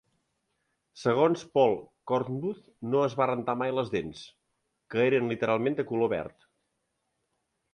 Segons Pohl, Kornbluth no es va rentar mai les dents, que eren literalment de color verd.